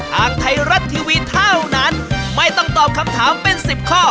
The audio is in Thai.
ทางไทยรัฐทีวีเท่านั้นไม่ต้องตอบคำถามเป็น๑๐ข้อ